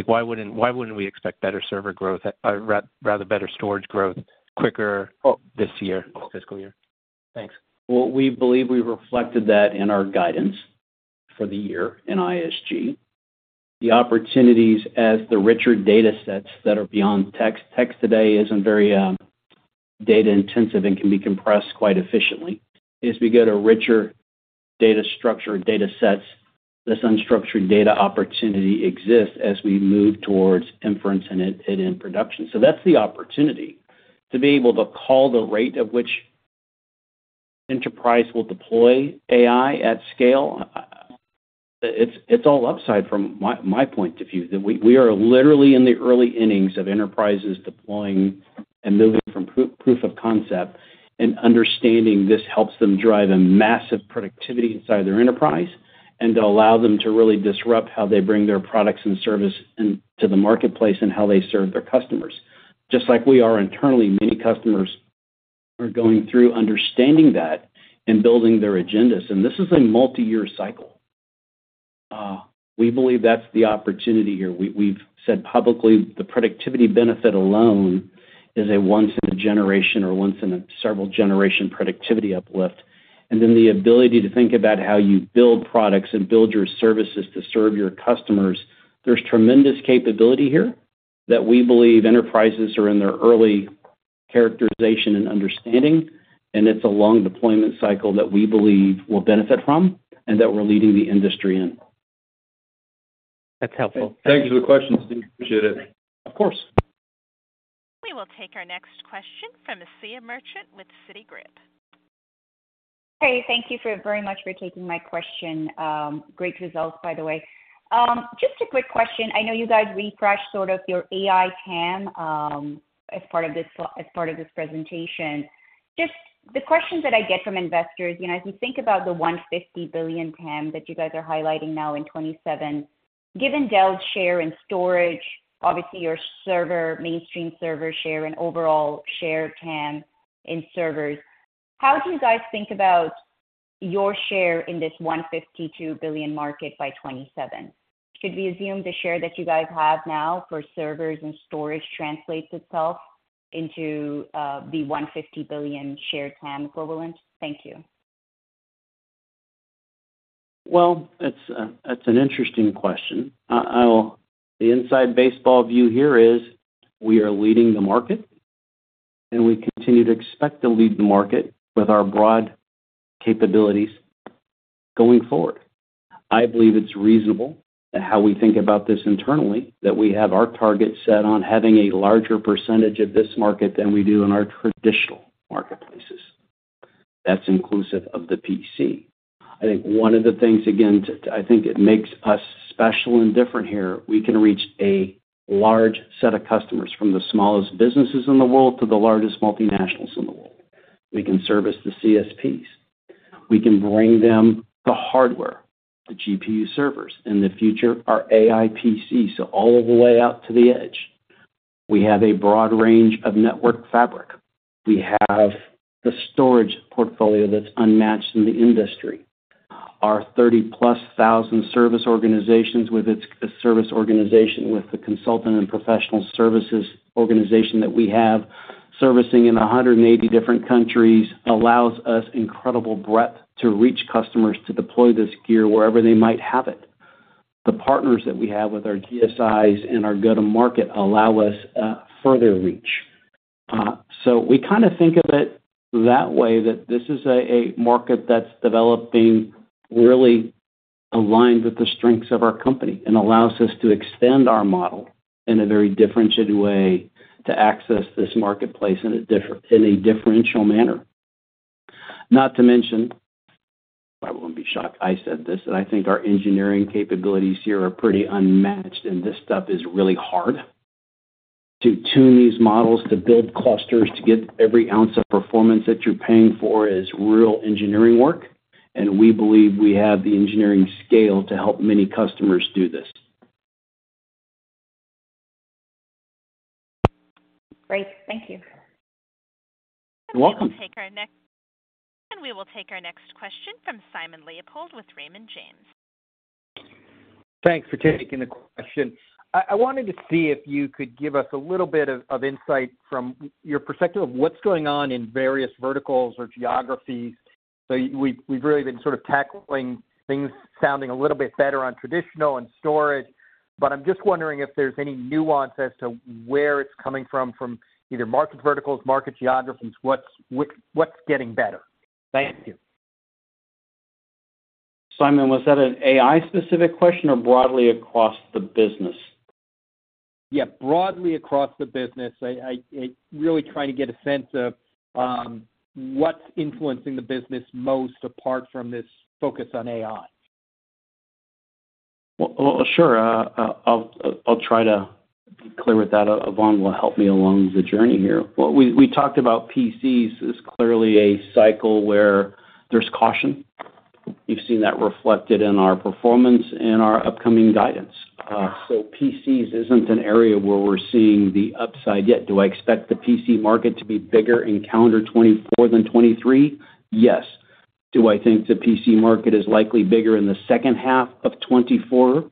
Why wouldn't we expect better server growth, rather better storage growth, quicker this fiscal year? Thanks.
Well, we believe we reflected that in our guidance for the year in ISG. The opportunities, as the richer datasets that are beyond text, text today isn't very data-intensive and can be compressed quite efficiently, as we get a richer data structure, datasets, this unstructured data opportunity exists as we move towards inference and it in production. So that's the opportunity: to be able to call the rate at which enterprise will deploy AI at scale. It's all upside from my point of view. We are literally in the early innings of enterprises deploying and moving from proof of concept and understanding this helps them drive a massive productivity inside their enterprise and to allow them to really disrupt how they bring their products and service into the marketplace and how they serve their customers. Just like we are internally, many customers are going through understanding that and building their agendas. This is a multi-year cycle. We believe that's the opportunity here. We've said publicly, the productivity benefit alone is a once-in-a-generation or once-in-a-several-generation productivity uplift. Then the ability to think about how you build products and build your services to serve your customers, there's tremendous capability here that we believe enterprises are in their early characterization and understanding. It's a long deployment cycle that we believe we'll benefit from and that we're leading the industry in.
That's helpful.
Thank you for the question, Steven. Appreciate it.
Of course.
We will take our next question from Asiya Merchant with Citi.
Hey. Thank you very much for taking my question. Great results, by the way. Just a quick question. I know you guys refreshed sort of your AI TAM as part of this presentation. Just the questions that I get from investors, as we think about the $150 billion TAM that you guys are highlighting now in 2027, given Dell's share in storage, obviously, your mainstream server share and overall share TAM in servers, how do you guys think about your share in this $152 billion market by 2027? Should we assume the share that you guys have now for servers and storage translates itself into the $150 billion share TAM equivalent? Thank you.
Well, that's an interesting question. The inside baseball view here is we are leading the market, and we continue to expect to lead the market with our broad capabilities going forward. I believe it's reasonable that how we think about this internally, that we have our target set on having a larger percentage of this market than we do in our traditional marketplaces. That's inclusive of the PC. I think one of the things, again, I think it makes us special and different here, we can reach a large set of customers from the smallest businesses in the world to the largest multinationals in the world. We can service the CSPs. We can bring them the hardware, the GPU servers, in the future, our AI PC, so all the way out to the edge. We have a broad range of network fabric. We have the storage portfolio that's unmatched in the industry. Our 30+ thousand service organizations with the consultant and professional services organization that we have servicing in 180 different countries allows us incredible breadth to reach customers to deploy this gear wherever they might have it. The partners that we have with our GSIs and our go-to-market allow us further reach. So we kind of think of it that way, that this is a market that's developing really aligned with the strengths of our company and allows us to extend our model in a very differentiated way to access this marketplace in a differential manner. Not to mention—I won't be shocked I said this—that I think our engineering capabilities here are pretty unmatched, and this stuff is really hard to tune these models, to build clusters, to get every ounce of performance that you're paying for is real engineering work. And we believe we have the engineering scale to help many customers do this.
Great. Thank you.
You're welcome.
We will take our next question from Simon Leopold with Raymond James.
Thanks for taking the question. I wanted to see if you could give us a little bit of insight from your perspective of what's going on in various verticals or geographies. So we've really been sort of tackling things sounding a little bit better on traditional and storage. But I'm just wondering if there's any nuance as to where it's coming from, from either market verticals, market geographies, what's getting better. Thank you.
Simon, was that an AI-specific question or broadly across the business?
Yeah. Broadly across the business, really trying to get a sense of what's influencing the business most apart from this focus on AI.
Well, sure. I'll try to be clear with that. Yvonne will help me along the journey here. We talked about PCs. This is clearly a cycle where there's caution. You've seen that reflected in our performance and our upcoming guidance. So PCs isn't an area where we're seeing the upside yet. Do I expect the PC market to be bigger in calendar 2024 than 2023? Yes. Do I think the PC market is likely bigger in the second half of 2024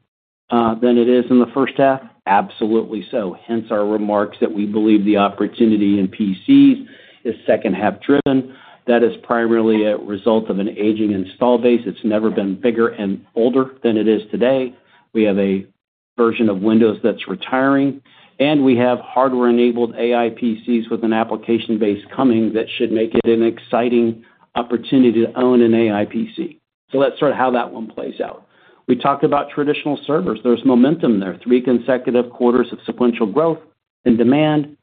than it is in the first half? Absolutely so. Hence our remarks that we believe the opportunity in PCs is second-half driven. That is primarily a result of an aging install base. It's never been bigger and older than it is today. We have a version of Windows that's retiring. We have hardware-enabled AI PCs with an application base coming that should make it an exciting opportunity to own an AI PC. So that's sort of how that one plays out. We talked about traditional servers. There's momentum there, three consecutive quarters of sequential growth in demand,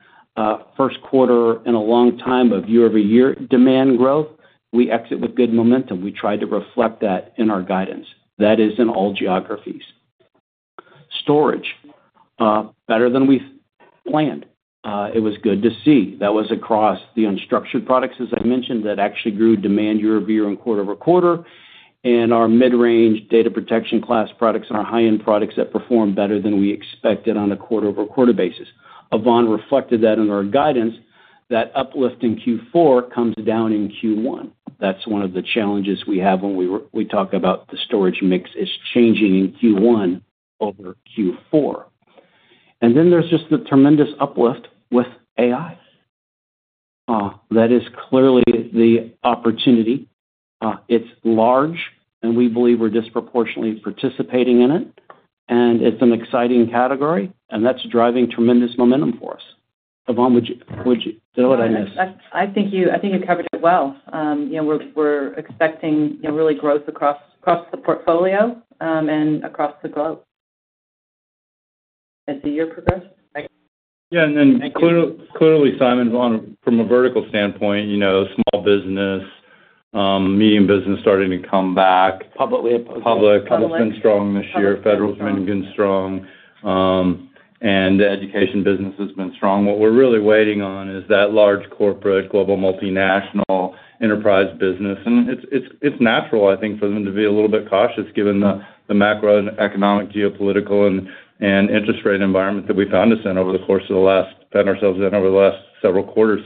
first quarter in a long time of year-over-year demand growth. We exit with good momentum. We tried to reflect that in our guidance. That is in all geographies. Storage, better than we planned. It was good to see. That was across the unstructured products, as I mentioned, that actually grew demand year-over-year and quarter-over-quarter. And our mid-range data protection class products and our high-end products that performed better than we expected on a quarter-over-quarter basis. Yvonne reflected that in our guidance. That uplift in Q4 comes down in Q1. That's one of the challenges we have when we talk about the storage mix, is changing in Q1 over Q4. And then there's just the tremendous uplift with AI. That is clearly the opportunity. It's large, and we believe we're disproportionately participating in it. And it's an exciting category, and that's driving tremendous momentum for us. Yvonne, did I know what I missed?
I think you covered it well. We're expecting real growth across the portfolio and across the globe as the year progresses.
Yeah. And then clearly, Simon, from a vertical standpoint, small business, medium business starting to come back.
Public.
Public has been strong this year. Federal has been strong. The education business has been strong. What we're really waiting on is that large corporate, global multinational enterprise business. It's natural, I think, for them to be a little bit cautious given the macroeconomic, geopolitical, and interest rate environment that we've found ourselves in over the course of the last several quarters.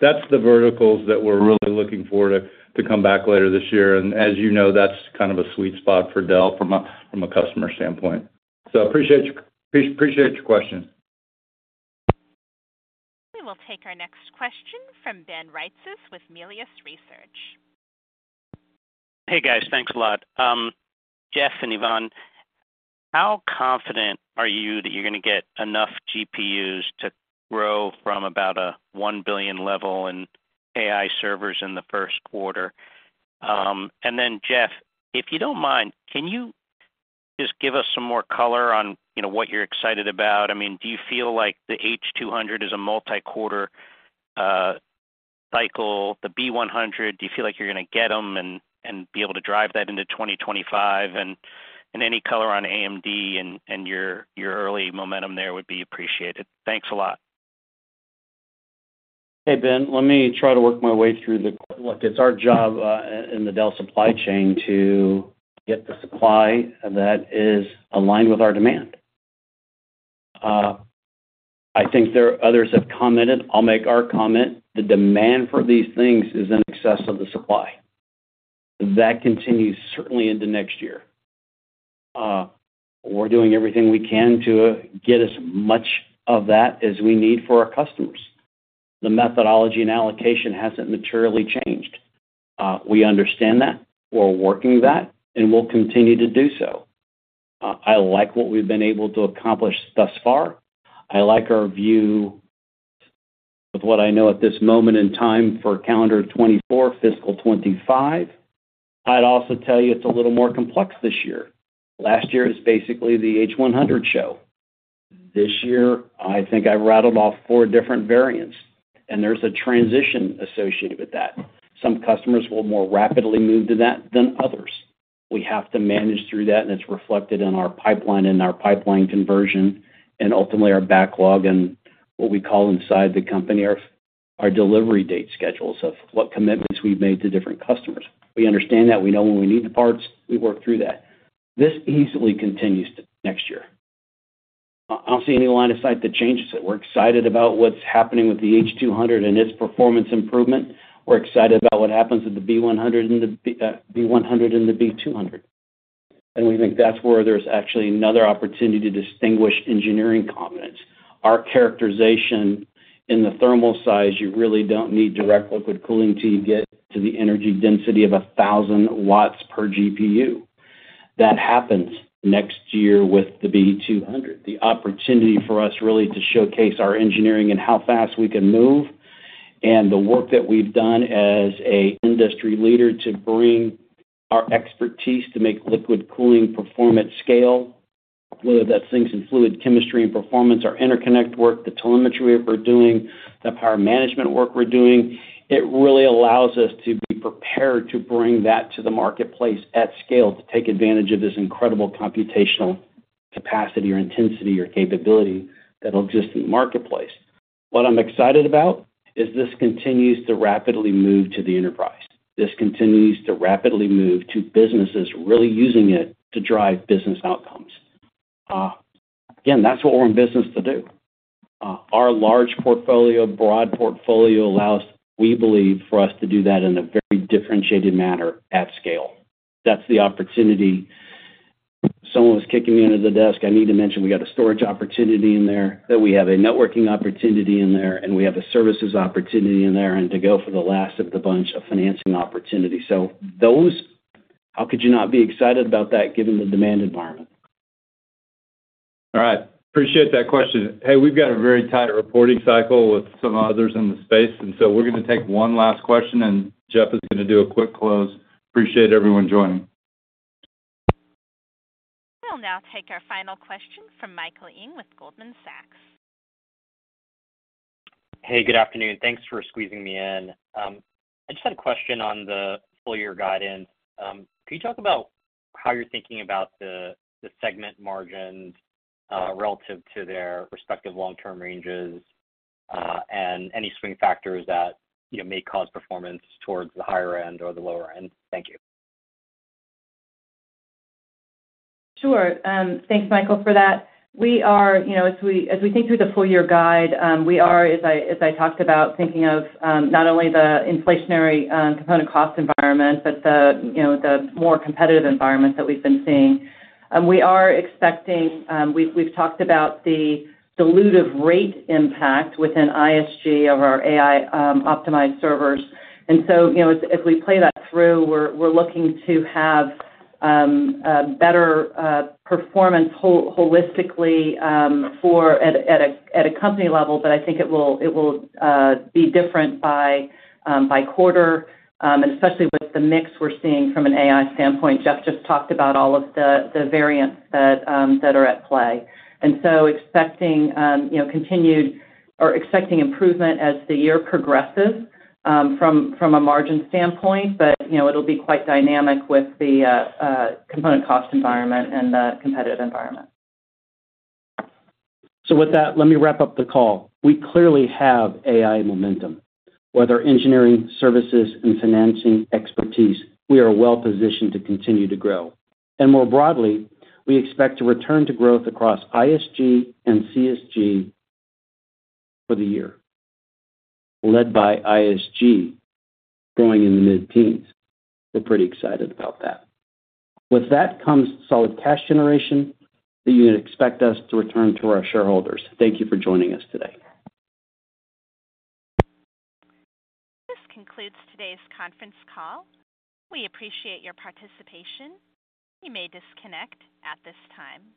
That's the verticals that we're really looking forward to come back later this year. As you know, that's kind of a sweet spot for Dell from a customer standpoint. So appreciate your question.
We will take our next question from Ben Reitzes with Melius Research.
Hey, guys. Thanks a lot. Jeff and Yvonne, how confident are you that you're going to get enough GPUs to grow from about a $1 billion level in AI servers in the first quarter? And then, Jeff, if you don't mind, can you just give us some more color on what you're excited about? I mean, do you feel like the H200 is a multi-quarter cycle? The B100, do you feel like you're going to get them and be able to drive that into 2025? And any color on AMD and your early momentum there would be appreciated. Thanks a lot.
Hey, Ben. Let me try to work my way through the look. It's our job in the Dell supply chain to get the supply that is aligned with our demand. I think there are others that have commented. I'll make our comment. The demand for these things is in excess of the supply. That continues certainly into next year. We're doing everything we can to get as much of that as we need for our customers. The methodology and allocation hasn't materially changed. We understand that. We're working that, and we'll continue to do so. I like what we've been able to accomplish thus far. I like our view with what I know at this moment in time for calendar 2024, fiscal 2025. I'd also tell you it's a little more complex this year. Last year is basically the H100 show. This year, I think I've rattled off four different variants, and there's a transition associated with that. Some customers will more rapidly move to that than others. We have to manage through that, and it's reflected in our pipeline and our pipeline conversion and ultimately our backlog and what we call inside the company, our delivery date schedules of what commitments we've made to different customers. We understand that. We know when we need the parts. We work through that. This easily continues to next year. I don't see any line of sight that changes it. We're excited about what's happening with the H200 and its performance improvement. We're excited about what happens with the B100 and the B200. And we think that's where there's actually another opportunity to distinguish engineering competence. Our characterization in the thermal size, you really don't need direct liquid cooling to get to the energy density of 1,000 W per GPU. That happens next year with the B200, the opportunity for us really to showcase our engineering and how fast we can move and the work that we've done as an industry leader to bring our expertise to make liquid cooling perform at scale, whether that's things in fluid chemistry and performance, our interconnect work, the telemetry we're doing, the power management work we're doing. It really allows us to be prepared to bring that to the marketplace at scale, to take advantage of this incredible computational capacity or intensity or capability that'll exist in the marketplace. What I'm excited about is this continues to rapidly move to the enterprise. This continues to rapidly move to businesses really using it to drive business outcomes. Again, that's what we're in business to do. Our large portfolio, broad portfolio allows, we believe, for us to do that in a very differentiated manner at scale. That's the opportunity. Someone was kicking me under the desk. I need to mention we got a storage opportunity in there, that we have a networking opportunity in there, and we have a services opportunity in there, and to go for the last of the bunch, a financing opportunity. So how could you not be excited about that given the demand environment?
All right. Appreciate that question. Hey, we've got a very tight reporting cycle with some others in the space. And so we're going to take one last question, and Jeff is going to do a quick close. Appreciate everyone joining.
We'll now take our final question from Michael Ng with Goldman Sachs.
Hey, good afternoon. Thanks for squeezing me in. I just had a question on the full-year guidance. Could you talk about how you're thinking about the segment margins relative to their respective long-term ranges and any swing factors that may cause performance towards the higher end or the lower end? Thank you.
Sure. Thanks, Michael, for that. As we think through the full-year guide, we are, as I talked about, thinking of not only the inflationary component cost environment but the more competitive environment that we've been seeing. We are expecting we've talked about the dilutive rate impact within ISG of our AI-optimized servers. And so as we play that through, we're looking to have better performance holistically at a company level, but I think it will be different by quarter, and especially with the mix we're seeing from an AI standpoint. Jeff just talked about all of the variants that are at play. And so expecting continued or expecting improvement as the year progresses from a margin standpoint, but it'll be quite dynamic with the component cost environment and the competitive environment.
So with that, let me wrap up the call. We clearly have AI momentum. Whether engineering, services, and financing expertise, we are well-positioned to continue to grow. And more broadly, we expect to return to growth across ISG and CSG for the year, led by ISG growing in the mid-teens. We're pretty excited about that. With that comes solid cash generation. You can expect us to return to our shareholders. Thank you for joining us today.
This concludes today's conference call. We appreciate your participation. You may disconnect at this time.